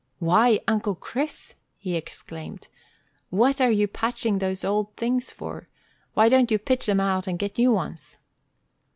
"Why, Uncle Chris!" he exclaimed. "What are you patching those old things for? Why don't you pitch 'em out and get new ones?"